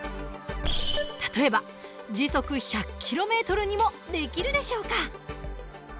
例えば時速１００ｋｍにもできるでしょうか？